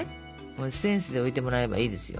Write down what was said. センスで置いてもらえばいいですよ。